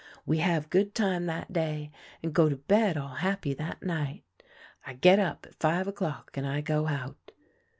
" We have good time that day, and go to bed all happy that night. I get up at five o'clock, an' I go hout.